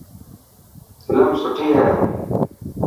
فلم سٺي هئي.